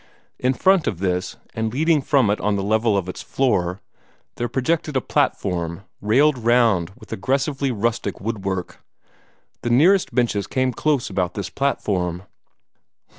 In front of this, and leading from it on the level of its floor, there projected a platform, railed round with aggressively rustic woodwork. The nearest benches came close about this platform.